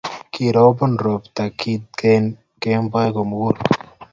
Kirobon ropta kintee kemoi komugul.